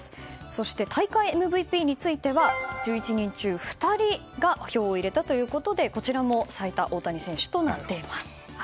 そして大会ＭＶＰについては１１人中２人が票を入れたということでこちらも最多大谷選手となっています。